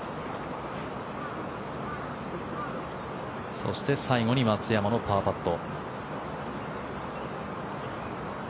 そして、最後に松山のパーパット。